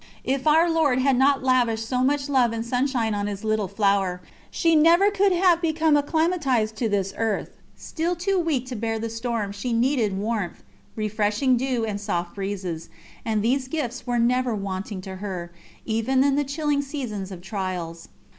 If Our Lord had not lavished so much love and sunshine on His Little Flower, she never could have become acclimatised to this earth. Still too weak to bear the storm, she needed warmth, refreshing dew, and soft breezes, and these gifts were never wanting to her, even in the chilling seasons of trials.